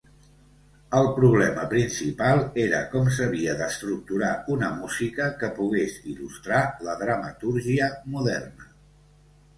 El problema principal era com s'havia d'estructurar una música que pogués il·lustrar la dramatúrgia moderna.